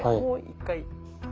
もう一回。